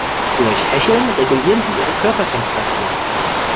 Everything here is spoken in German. Durch Hecheln regulieren sie ihre Körpertemperatur.